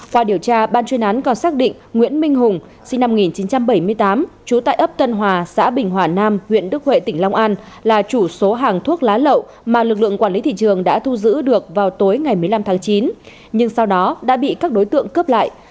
qua điều tra ban chuyên án còn xác định nguyễn minh hùng sinh năm một nghìn chín trăm bảy mươi tám trú tại ấp tân hòa xã bình hòa nam huyện đức huệ tỉnh long an là chủ số hàng thuốc lá lậu mà lực lượng quản lý thị trường đã thu giữ được vào tối ngày một mươi năm tháng chín nhưng sau đó đã bị các đối tượng cướp lại